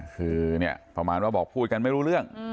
คือเนี่ยประมาณว่าบอกพูดกันไม่รู้เรื่อง